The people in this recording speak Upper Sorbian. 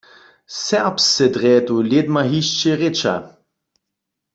Serbsce drje tu lědma hišće rěča.